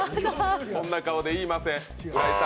そんな顔でいいません。